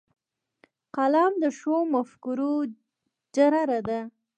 قلم د ښو مفکورو جرړه ده